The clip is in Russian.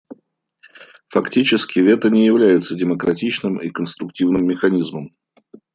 Фактически, вето не является демократичным и конструктивным механизмом.